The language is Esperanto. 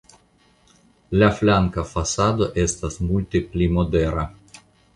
La flanka fasado estas multe pli modera.